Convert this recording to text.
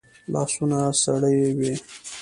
لاسونه سړې وي